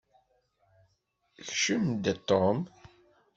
Kcem-d, a Tom.